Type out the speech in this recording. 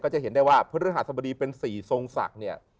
จะเห็นได้ว่าพฤหัสบดีเป็น๔ทรงศักดิ์เนี่ย